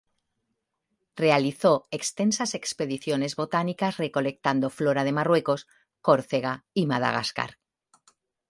Realizó extensas expediciones botánicas recolectando flora de Marruecos, Córcega y Madagascar.